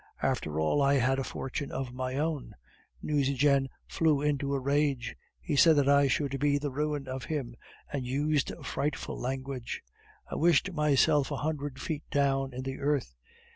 After all, I had a fortune of my own. Nucingen flew into a rage; he said that I should be the ruin of him, and used frightful language! I wished myself a hundred feet down in the earth.